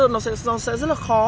nó sẽ rất là khó